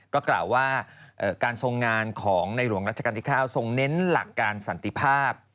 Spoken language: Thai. ก็กล่าวว่าการทรงงานของในหลวงรัชกาลที่๙ทรงเน้นหลักการสันติภาพ